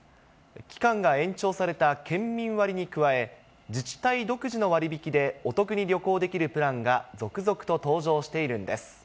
期間が延長された県民割に加え、自治体独自の割引でお得に旅行できるプランが続々と登場しているんです。